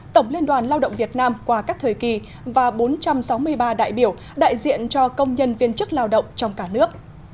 tổng liên đoàn lao động việt nam qua các thời kỳ và bốn trăm sáu mươi ba đại biểu đại diện cho công nhân viên chức lao động trong cả nước